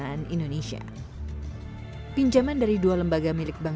level penyakit jika anda meningkatkan